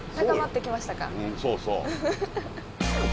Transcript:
うんそうそう。